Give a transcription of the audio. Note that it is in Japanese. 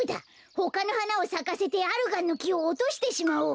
ほかのはなをさかせてアルガンのきをおとしてしまおう。